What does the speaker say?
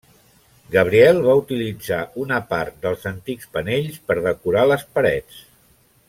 Gabriel va utilitzar una part dels antics panells per decorar les parets.